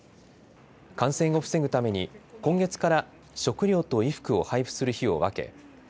感染を防ぐために今月から食料と衣服を配布する日を分け